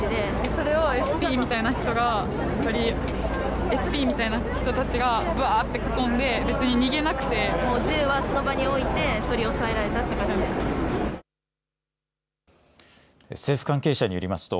それをＳＰみたいな人がＳＰみたいな人たちがぶわっと囲んで別に逃げなくて銃はその場に置いて取り押さえられたって感じでした。